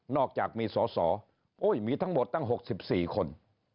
อกจากมีสอสอมีทั้งหมดตั้ง๖๔คน